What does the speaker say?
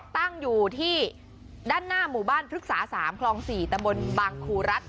ตั้งอยู่ที่ด้านหน้าหมู่บ้านพฤกษา๓คลอง๔ตะบนบางครูรัฐ